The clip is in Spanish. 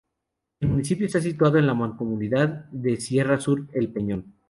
El municipio está situado en la mancomunidad de Sierra Sur-el Peñón.